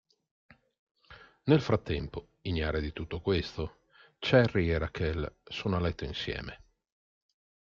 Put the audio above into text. Nel frattempo, ignare di tutto questo, Cherry e Raquel sono a letto insieme.